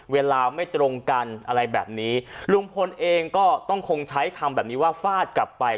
เวลาไม่ตรงกันอะไรแบบนี้ลุงพลเองก็ต้องคงใช้คำแบบนี้ว่าฟาดกลับไป